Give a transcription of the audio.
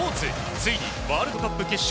ついにワールドカップ決勝。